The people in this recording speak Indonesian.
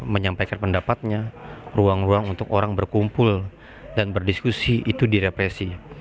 menyampaikan pendapatnya ruang ruang untuk orang berkumpul dan berdiskusi itu direpresi